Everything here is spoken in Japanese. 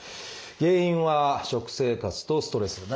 原因は食生活とストレス。